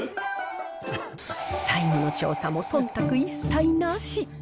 最後の調査もそんたく一切なし。